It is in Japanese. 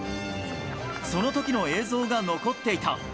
そのときの映像が残っていた。